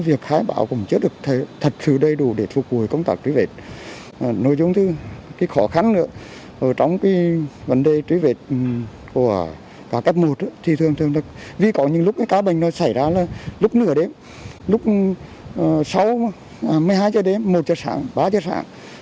vì có những lúc cái cá bệnh nó xảy ra là lúc nửa đếm lúc sáu một mươi hai giờ đếm một giờ sáng ba giờ sáng